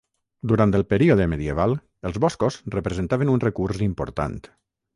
Durant el període medieval, els boscos representaven un recurs important.